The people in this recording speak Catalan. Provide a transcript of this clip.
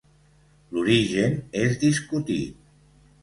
L'origen és discutit.